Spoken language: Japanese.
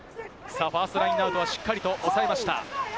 ファーストラインアウトはしっかり抑えました。